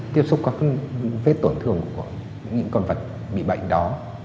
tiếp xúc các vết tổn thương của những con vật bị bệnh đó